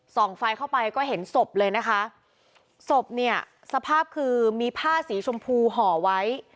ไฟเข้าไปก็เห็นศพเลยนะคะศพเนี่ยสภาพคือมีผ้าสีชมพูห่อไว้